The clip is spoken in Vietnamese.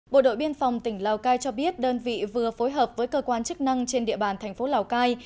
bộ đội biên phòng tỉnh lào cai cho biết đơn vị vừa phối hợp với cơ quan chức năng trên địa bàn thành phố lào cai